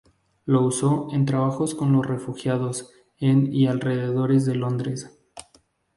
Lo usó en trabajos con los refugiados en y alrededor de Londres.